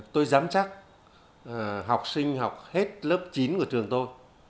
tôi dám chắc học sinh học hết lớp chín của trường tôi